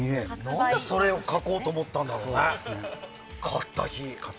何でそれを書こうと思ったんだろね。